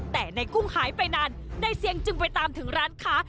แต่ในกุ้งหายไปนานในเสียงจึงไปตามถึงร้านค้า